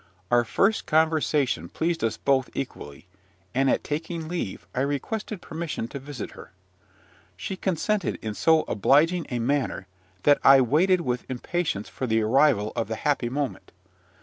Our first conversation pleased us both equally; and, at taking leave, I requested permission to visit her. She consented in so obliging a manner, that I waited with impatience for the arrival of the happy moment.